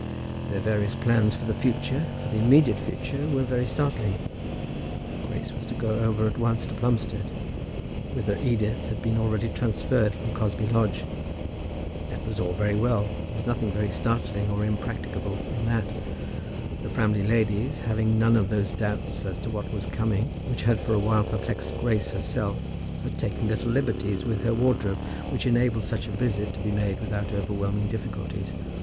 Their various plans for the future, for the immediate future, were very startling. Grace was to go over at once to Plumstead, whither Edith had been already transferred from Cosby Lodge. That was all very well; there was nothing very startling or impracticable in that. The Framley ladies, having none of those doubts as to what was coming which had for a while perplexed Grace herself, had taken little liberties with her wardrobe, which enabled such a visit to be made without overwhelming difficulties.